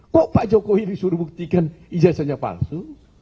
kok pak jokowi disuruh buktikan ijazahnya palsu